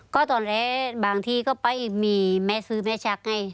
ก็ตอนแรกบางที่ก็ไปมีแม่ซื้อแม่ชักไง